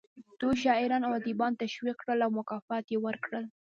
دوی شاعران او ادیبان تشویق کړل او مکافات یې ورکړل